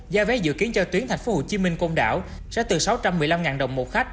gia vé dự kiến cho tuyến tp hcm công đảo sẽ từ sáu trăm một mươi năm đồng một khách